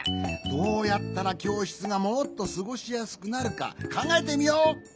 どうやったらきょうしつがもっとすごしやすくなるかかんがえてみよう！